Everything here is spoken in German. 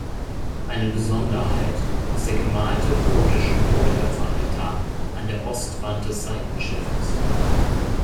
Eine Besonderheit ist der gemalte gotische Nothelfer-Altar an der Ostwand des Seitenschiffes.